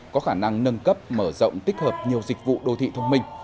có khả năng nâng cấp mở rộng tích hợp nhiều dịch vụ đô thị thông minh